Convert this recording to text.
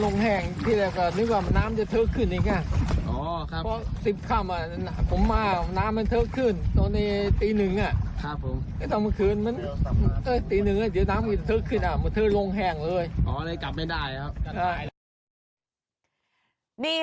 นี่ค่ะคุณผู้ชม